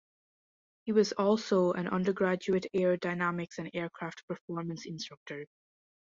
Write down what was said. He was also an undergraduate aerodynamics and aircraft performance instructor.